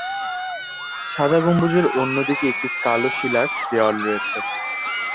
সাদা গম্বুজের অন্যদিকে একটি কালো শিলার দেওয়াল রয়েছে।